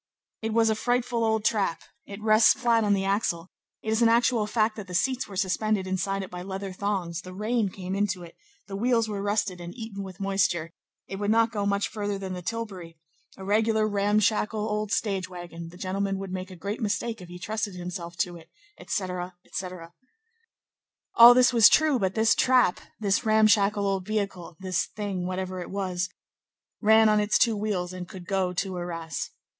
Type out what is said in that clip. "It was a frightful old trap; it rests flat on the axle; it is an actual fact that the seats were suspended inside it by leather thongs; the rain came into it; the wheels were rusted and eaten with moisture; it would not go much further than the tilbury; a regular ramshackle old stage wagon; the gentleman would make a great mistake if he trusted himself to it," etc., etc. All this was true; but this trap, this ramshackle old vehicle, this thing, whatever it was, ran on its two wheels and could go to Arras.